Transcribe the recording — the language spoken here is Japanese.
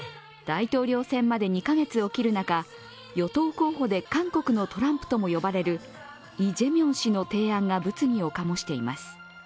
大統領選まで２カ月を切る中、与党候補で韓国のトランプとも呼ばれるイ・ジェミョン氏の提案が物議を醸しています。